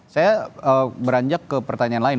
saya beranjak ke pertanyaan lain